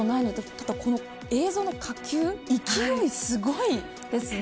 あと、映像の火球勢いすごいですね。